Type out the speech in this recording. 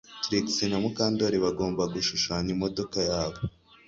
Trix na Mukandoli bagomba gushushanya imodoka yabo